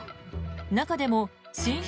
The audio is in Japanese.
中でも神出